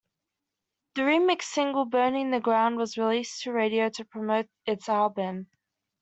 The remix single "Burning the Ground" was released to radio to promote this album.